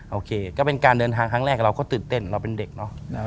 โอเคก็เป็นการเดินทางครั้งแรกเราก็ตื่นเต้นเราเป็นเด็กเนอะ